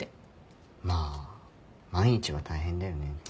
まあ毎日は大変だよね。